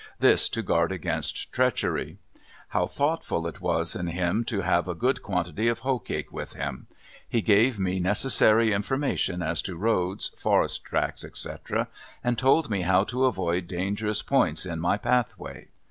This to guard against treachery. How thoughtful it was in him to have a good quantity of hoe cake with him. He gave me necessary information as to roads, forest tracks, etc., and told me how to avoid dangerous points in my pathway.